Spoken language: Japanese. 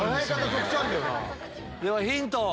ではヒント！